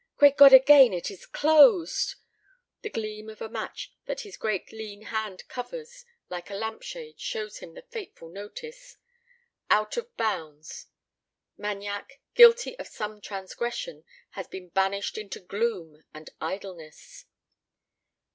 Great God again, it is closed! The gleam of a match that his great lean hand covers like a lamp shade shows him the fateful notice "Out of Bounds." Magnac, guilty of some transgression, has been banished into gloom and idleness!